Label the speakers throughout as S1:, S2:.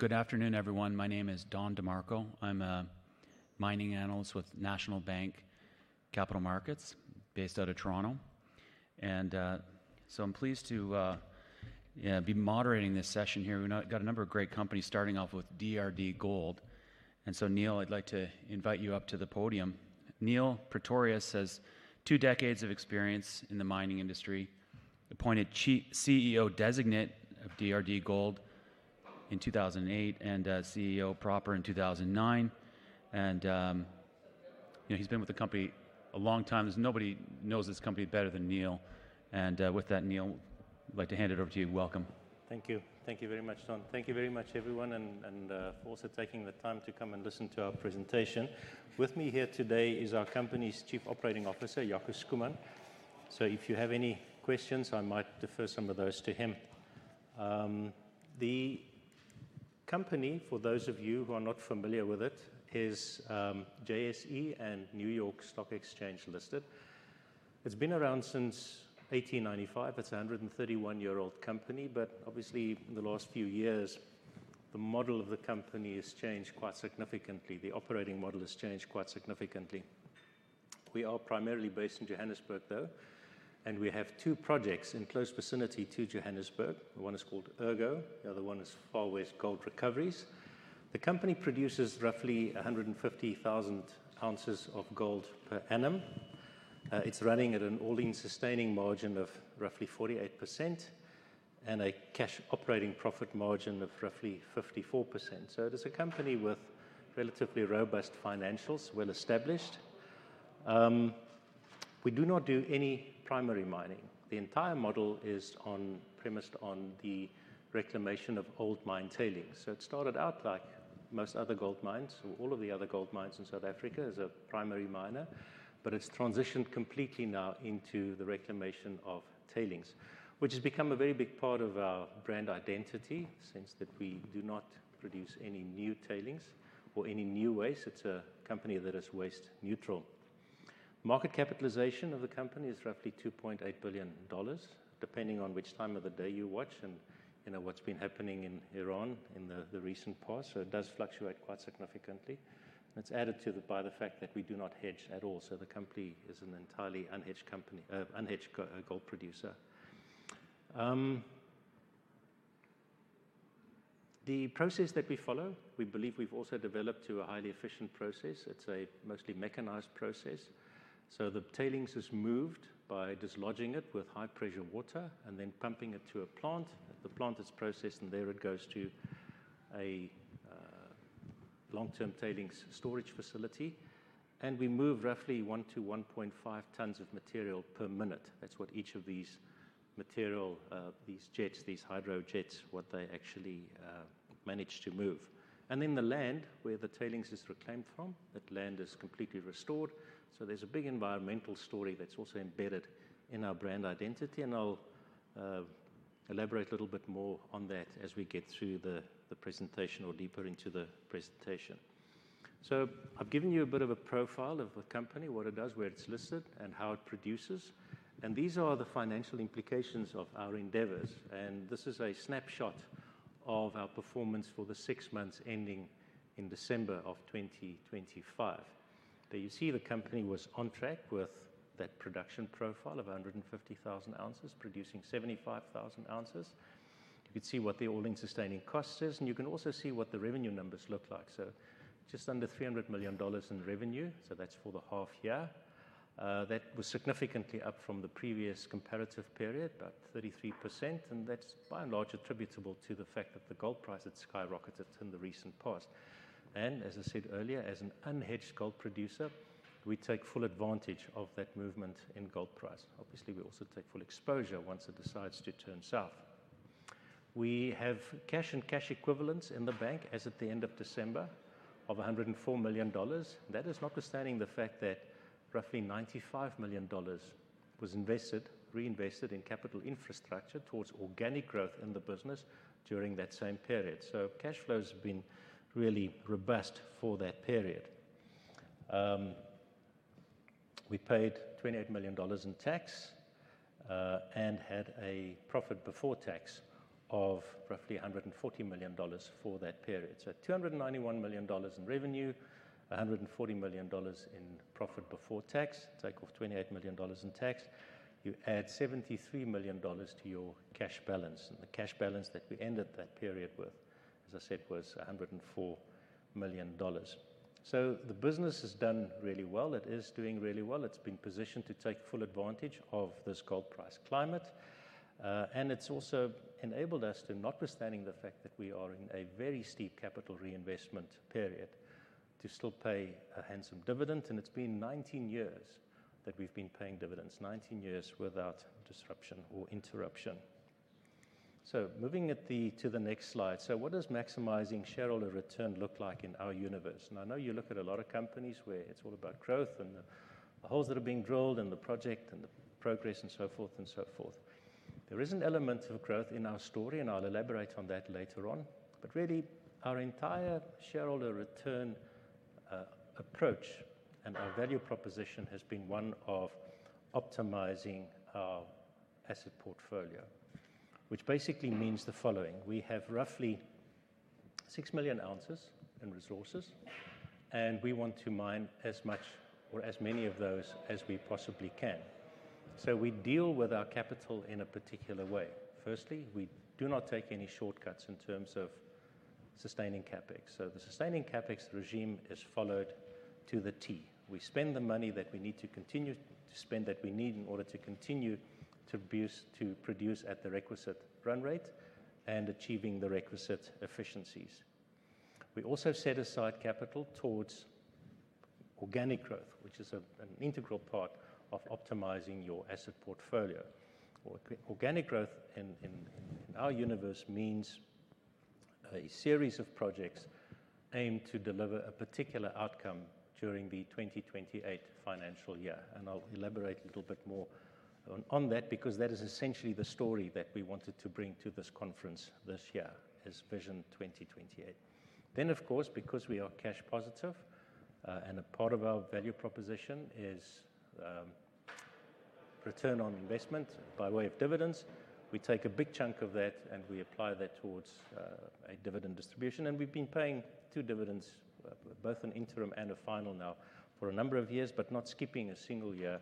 S1: Good afternoon, everyone. My name is Don DeMarco. I'm a Mining Analyst with National Bank Capital Markets based out of Toronto. I'm pleased to be moderating this session here. We've got a number of great companies starting off with DRDGOLD. Niël, I'd like to invite you up to the podium. Niël Pretorius has two decades of experience in the mining industry, appointed CEO Designate of DRDGOLD in 2008, and CEO proper in 2009. He's been with the company a long time, as nobody knows this company better than Niël. With that, Niël, I'd like to hand it over to you. Welcome.
S2: Thank you. Thank you very much, Don. Thank you very much, everyone, and for also taking the time to come and listen to our presentation. With me here today is our company's Chief Operating Officer, Jaco Schoeman. If you have any questions, I might defer some of those to him. The company, for those of you who are not familiar with it, is JSE- and New York Stock Exchange-listed. It's been around since 1895. It's a 131-year-old company, but obviously in the last few years, the model of the company has changed quite significantly. The operating model has changed quite significantly. We are primarily based in Johannesburg, though, and we have two projects in close vicinity to Johannesburg. One is called Ergo, the other one is Far West Gold Recoveries. The company produces roughly 150,000 ounces of gold per annum. It's running at an all-in sustaining margin of roughly 48% and a cash operating profit margin of roughly 54%. It is a company with relatively robust financials, well-established. We do not do any primary mining. The entire model is premised on the reclamation of old mine tailings. It started out like most other gold mines, or all of the other gold mines in South Africa as a primary miner. It's transitioned completely now into the reclamation of tailings, which has become a very big part of our brand identity since that we do not produce any new tailings or any new waste. It's a company that is waste neutral. Market capitalization of the company is roughly $2.8 billion, depending on which time of the day you watch and what's been happening in Iran in the recent past. It does fluctuate quite significantly, and it's added to by the fact that we do not hedge at all. The company is an entirely unhedged gold producer. The process that we follow, we believe we've also developed to a highly efficient process. It's a mostly mechanized process. The tailings is moved by dislodging it with high-pressure water and then pumping it to a plant. At the plant, it's processed, and there it goes to a long-term tailings storage facility. We move roughly 1 ton-1.5 tons of material per minute. That's what these hydro jets, what they actually manage to move. The land where the tailings is reclaimed from, that land is completely restored. There's a big environmental story that's also embedded in our brand identity, and I'll elaborate a little bit more on that as we get through the presentation or deeper into the presentation. I've given you a bit of a profile of the company, what it does, where it's listed, and how it produces. These are the financial implications of our endeavors. This is a snapshot of our performance for the six months ending in December of 2025. There you see the company was on track with that production profile of 150,000 ounces, producing 75,000 ounces. You could see what the all-in sustaining cost is, and you can also see what the revenue numbers look like. Just under $300 million in revenue. That's for the half-year. That was significantly up from the previous comparative period, about 33%, and that's by and large attributable to the fact that the gold price had skyrocketed in the recent past. As I said earlier, as an unhedged gold producer, we take full advantage of that movement in gold price. Obviously, we also take full exposure once it decides to turn south. We have cash and cash equivalents in the bank as at the end of December of $104 million. That is notwithstanding the fact that roughly $95 million was reinvested in capital infrastructure towards organic growth in the business during that same period. Cash flows have been really robust for that period. We paid $28 million in tax and had a profit before tax of roughly $140 million for that period. At $291 million in revenue, $140 million in profit before tax, take off $28 million in tax, you add $73 million to your cash balance. The cash balance that we ended that period with, as I said, was $104 million. The business has done really well. It is doing really well. It's been positioned to take full advantage of this gold price climate. It's also enabled us to, notwithstanding the fact that we are in a very steep capital reinvestment period, to still pay a handsome dividend. It's been 19 years that we've been paying dividends, 19 years without disruption or interruption. Moving to the next slide. What does maximizing shareholder return look like in our universe? I know you look at a lot of companies where it's all about growth and the holes that are being drilled and the project and the progress and so forth and so forth. There is an element of growth in our story, and I'll elaborate on that later on. Really, our entire shareholder return approach and our value proposition has been one of optimizing our asset portfolio, which basically means the following. We have roughly 6 million ounces in resources, and we want to mine as much or as many of those as we possibly can. We deal with our capital in a particular way. Firstly, we do not take any shortcuts in terms of sustaining CapEx. The sustaining CapEx regime is followed to the T. We spend the money that we need to continue to spend, that we need in order to continue to produce at the requisite run rate and achieving the requisite efficiencies. We also set aside capital towards organic growth, which is an integral part of optimizing your asset portfolio. Organic growth in our universe means a series of projects aimed to deliver a particular outcome during the 2028 financial year. I'll elaborate a little bit more on that because that is essentially the story that we wanted to bring to this conference this year, is Vision 2028. Of course, because we are cash positive and a part of our value proposition is return on investment by way of dividends, we take a big chunk of that and we apply that towards a dividend distribution. We've been paying two dividends, both an interim and a final now for a number of years, but not skipping a single year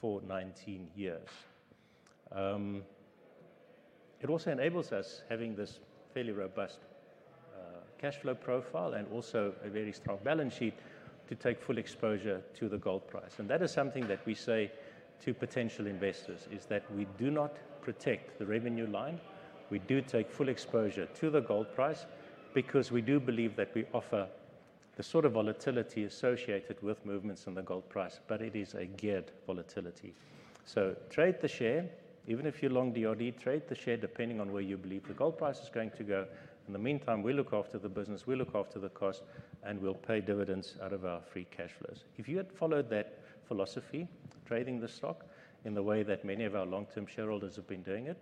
S2: for 19 years. It also enables us, having this fairly robust cash flow profile and also a very strong balance sheet, to take full exposure to the gold price. That is something that we say to potential investors is that we do not protect the revenue line. We do take full exposure to the gold price because we do believe that we offer the sort of volatility associated with movements in the gold price, but it is a geared volatility. Trade the share, even if you're long DRD. Trade the share depending on where you believe the gold price is going to go. In the meantime, we look after the business, we look after the cost, and we'll pay dividends out of our free cash flows. If you had followed that philosophy, trading the stock in the way that many of our long-term shareholders have been doing it,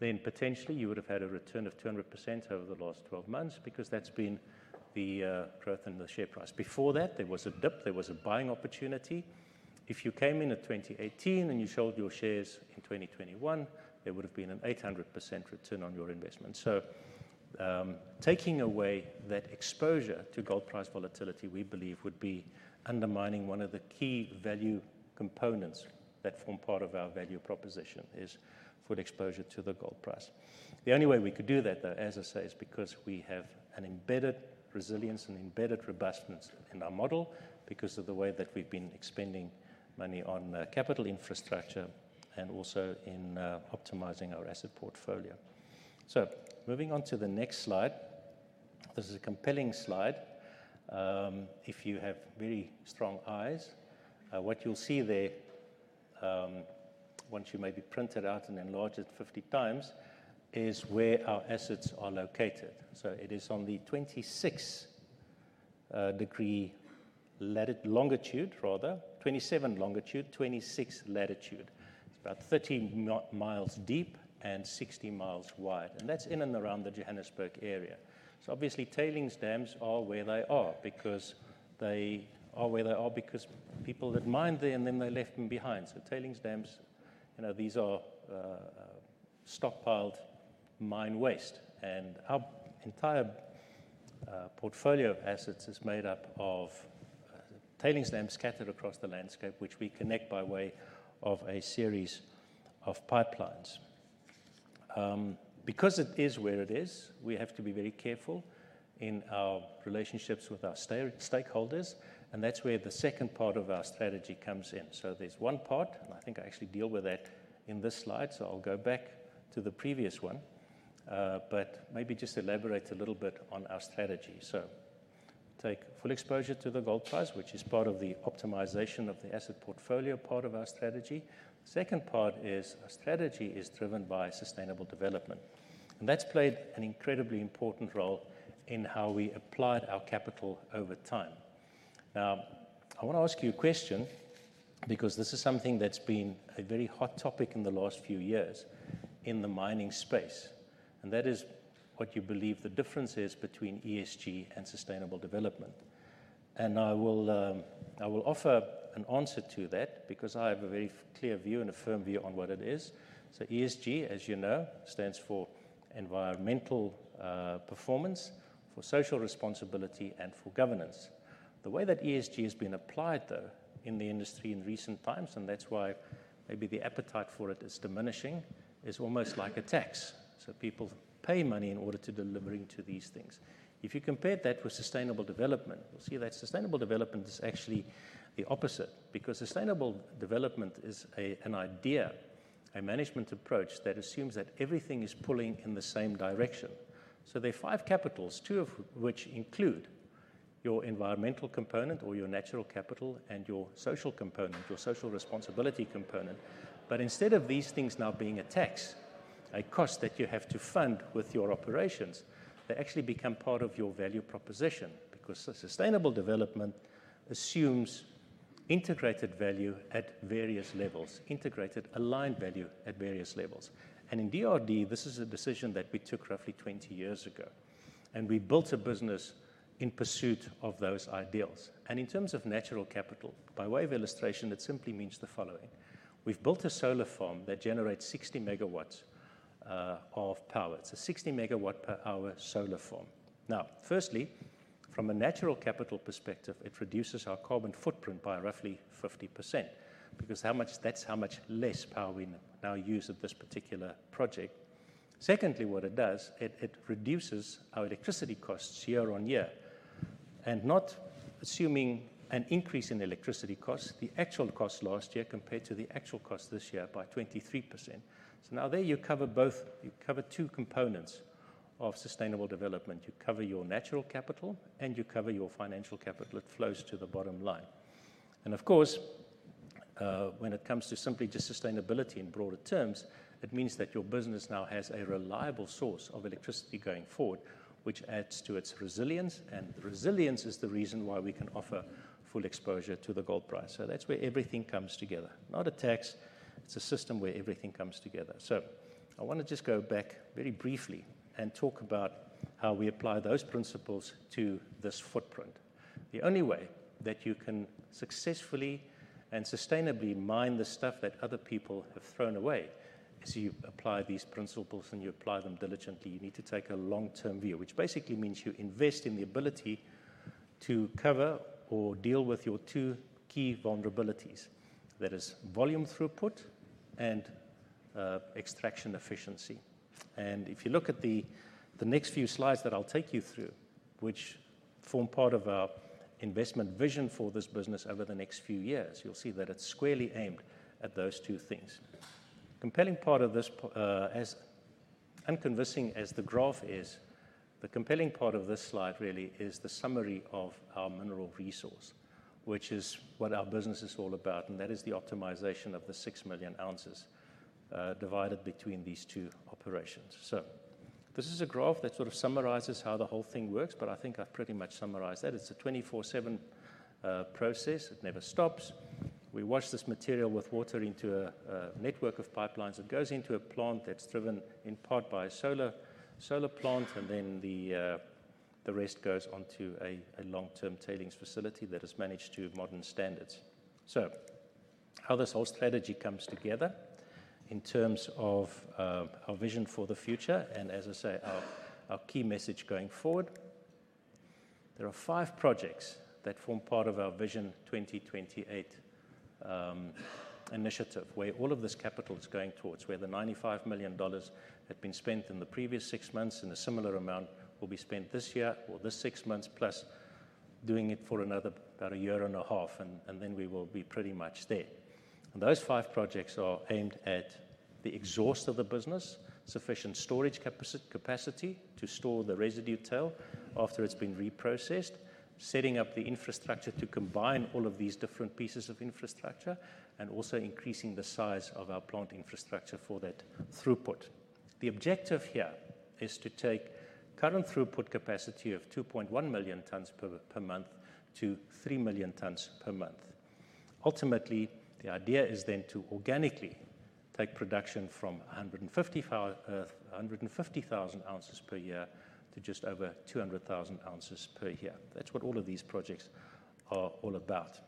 S2: then potentially you would have had a return of 200% over the last 12 months because that's been the growth in the share price. Before that, there was a dip. There was a buying opportunity. If you came in at 2018 and you sold your shares in 2021, there would have been an 800% return on your investment. Taking away that exposure to gold price volatility, we believe would be undermining one of the key value components that form part of our value proposition is full exposure to the gold price. The only way we could do that, though, as I say, is because we have an embedded resilience and embedded robustness in our model because of the way that we've been expending money on capital infrastructure and also in optimizing our asset portfolio. Moving on to the next slide. This is a compelling slide. If you have very strong eyes, what you'll see there, once you maybe print it out and enlarge it 50 times, is where our assets are located. It is on the 26 degree longitude rather, 27 longitude, 26 latitude. It's about 30 mi deep and 60 mi wide, and that's in and around the Johannesburg area. Obviously, tailings dams are where they are because people had mined there and then they left them behind. Tailings dams, these are stockpiled mine waste, and our entire portfolio of assets is made up of tailings dams scattered across the landscape which we connect by way of a series of pipelines. Because it is where it is, we have to be very careful in our relationships with our stakeholders, and that's where the second part of our strategy comes in. There's one part, and I think I actually deal with that in this slide, so I'll go back to the previous one, but maybe just elaborate a little bit on our strategy. Take full exposure to the gold price, which is part of the optimization of the asset portfolio part of our strategy. Second part is our strategy is driven by sustainable development, and that's played an incredibly important role in how we applied our capital over time. Now, I want to ask you a question because this is something that's been a very hot topic in the last few years in the mining space, and that is what you believe the difference is between ESG and sustainable development. I will offer an answer to that because I have a very clear view and a firm view on what it is. ESG, as you know, stands for environmental performance, for social responsibility, and for governance. The way that ESG has been applied, though, in the industry in recent times, and that's why maybe the appetite for it is diminishing, is almost like a tax. People pay money in order to deliver into these things. If you compare that with sustainable development, you'll see that sustainable development is actually the opposite because sustainable development is an idea, a management approach that assumes that everything is pulling in the same direction. There are five capitals, two of which include your environmental component or your natural capital and your social component, your social responsibility component. Instead of these things now being a tax, a cost that you have to fund with your operations, they actually become part of your value proposition because sustainable development assumes integrated aligned value at various levels. In DRD, this is a decision that we took roughly 20 years ago, and we built a business in pursuit of those ideals. In terms of natural capital, by way of illustration, it simply means the following. We've built a solar farm that generates 60 MW of power. It's a 60 MW per hour solar farm. Now, firstly, from a natural capital perspective, it reduces our carbon footprint by roughly 50% because that's how much less power we now use at this particular project. Secondly, what it does, it reduces our electricity costs year-on-year, and not assuming an increase in electricity costs, the actual cost last year compared to the actual cost this year by 23%. Now there you cover two components of sustainable development. You cover your natural capital, and you cover your financial capital. It flows to the bottom line. Of course, when it comes to simply just sustainability in broader terms, it means that your business now has a reliable source of electricity going forward, which adds to its resilience. Resilience is the reason why we can offer full exposure to the gold price. That's where everything comes together. Not a tax, it's a system where everything comes together. I want to just go back very briefly and talk about how we apply those principles to this footprint. The only way that you can successfully and sustainably mine the stuff that other people have thrown away is you apply these principles and you apply them diligently. You need to take a long-term view, which basically means you invest in the ability to cover or deal with your two key vulnerabilities. That is volume throughput and extraction efficiency. If you look at the next few slides that I'll take you through, which form part of our investment vision for this business over the next few years, you'll see that it's squarely aimed at those two things. As unconvincing as the graph is, the compelling part of this slide really is the summary of our mineral resource, which is what our business is all about, and that is the optimization of the 6 million ounces divided between these two operations. This is a graph that sort of summarizes how the whole thing works, but I think I've pretty much summarized that. It's a 24/7 process. It never stops. We wash this material with water into a network of pipelines. It goes into a plant that's driven in part by a solar plant, and then the rest goes on to a long-term tailings facility that is managed to modern standards. How this whole strategy comes together in terms of our vision for the future and, as I say, our key message going forward. There are five projects that form part of our Vision 2028 initiative, where all of this capital is going towards, where the $95 million had been spent in the previous six months and a similar amount will be spent this year or this six months, plus doing it for another about a year and a half and then we will be pretty much there. And those five projects are aimed at the exhaust of the business, sufficient storage capacity to store the residue tail after it's been reprocessed, setting up the infrastructure to combine all of these different pieces of infrastructure, and also increasing the size of our plant infrastructure for that throughput. The objective here is to take current throughput capacity of 2.1 million tons per month to 3 million tons per month. Ultimately, the idea is then to organically take production from 150,000 ounces per year to just over 200,000 ounces per year. That's what all of these projects are all about.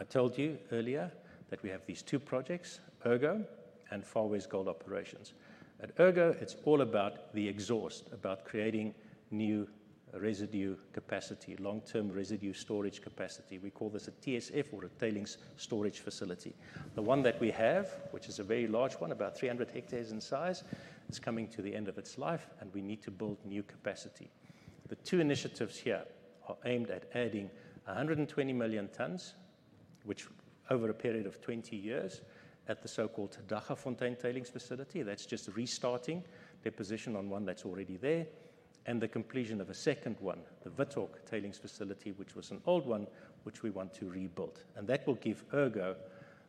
S2: I told you earlier that we have these two projects, Ergo and Far West Gold Recoveries. At Ergo, it's all about the expansion, about creating new residue capacity, long-term residue storage capacity. We call this a TSF or a tailings storage facility. The one that we have, which is a very large one, about 300 hectares in size, is coming to the end of its life, and we need to build new capacity. The two initiatives here are aimed at adding 120 million tons, which over a period of 20 years at the so-called Daggafontein Tailings Facility, that's just restarting deposition on one that's already there, and the completion of a second one, the Withok Tailings Facility, which was an old one, which we want to rebuild. That will give Ergo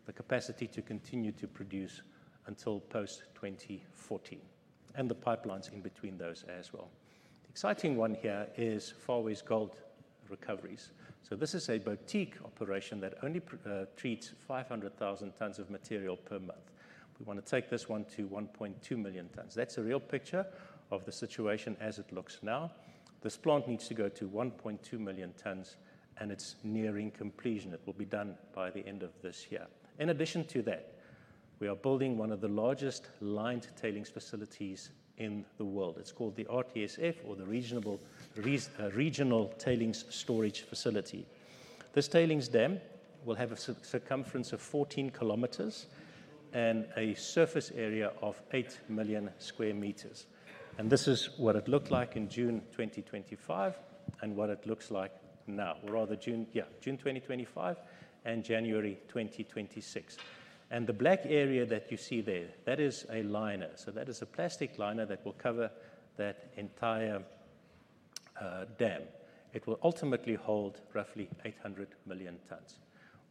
S2: the capacity to continue to produce until post-2040, and the pipelines in between those as well. The exciting one here is Far West Gold Recoveries. This is a boutique operation that only treats 500,000 tons of material per month. We want to take this one to 1.2 million tons. That's a real picture of the situation as it looks now. This plant needs to go to 1.2 million tons, and it's nearing completion. It will be done by the end of this year. In addition to that, we are building one of the largest lined tailings facilities in the world. It's called the RTSF or the Regional Tailings Storage Facility. This tailings dam will have a circumference of 14 km and a surface area of 8 million sq m. This is what it looked like in June 2025 and what it looks like now, or rather June 2025 and January 2026. The black area that you see there, that is a liner. That is a plastic liner that will cover that entire dam. It will ultimately hold roughly 800 million tons.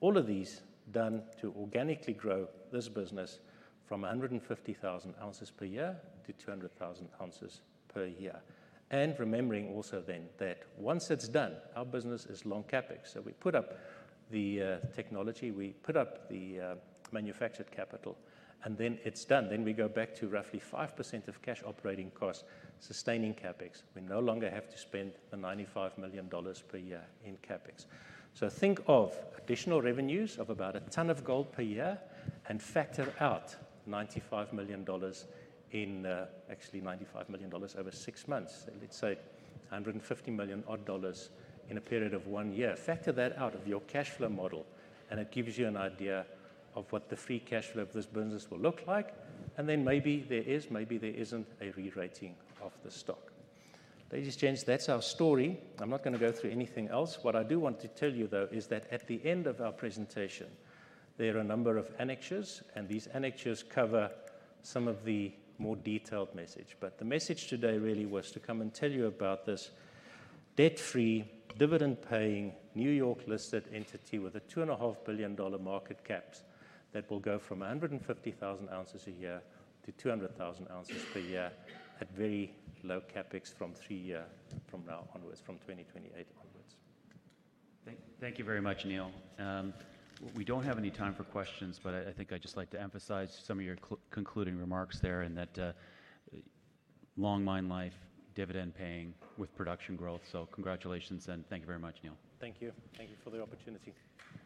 S2: All of these done to organically grow this business from 150,000 ounces per year-200,000 ounces per year. Remembering also then that once it's done, our business is long CapEx. We put up the technology, we put up the manufactured capital, and then it's done. We go back to roughly 5% of cash operating costs sustaining CapEx. We no longer have to spend the $95 million per year in CapEx. Think of additional revenues of about a ton of gold per year and factor out $95 million, actually $95 million over six months. Let's say $150 million odd dollars in a period of one year. Factor that out of your cash flow model and it gives you an idea of what the free cash flow of this business will look like, and then maybe there is, maybe there isn't a re-rating of the stock. Ladies and gents, that's our story. I'm not going to go through anything else. What I do want to tell you, though, is that at the end of our presentation, there are a number of annexures, and these annexures cover some of the more detailed message. The message today really was to come and tell you about this debt-free, dividend-paying, New York-listed entity with a $2.5 billion market cap that will go from 150,000 ounces a year to 200,000 ounces per year at very low CapEx from three year from now onwards, from 2028 onwards.
S1: Thank you very much, Niël. We don't have any time for questions. I think I'd just like to emphasize some of your concluding remarks there in that long mine life, dividend paying with production growth. Congratulations and thank you very much, Niël.
S2: Thank you for the opportunity.